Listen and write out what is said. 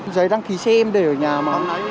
giấy đăng ký xe em để ở nhà mà